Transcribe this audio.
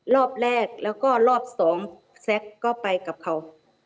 รอบแรกแล้วก็รอบสองแซ็กก็ไปกับเขา